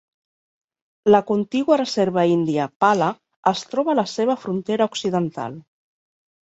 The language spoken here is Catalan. La contigua reserva índia Pala es troba a la seva frontera occidental.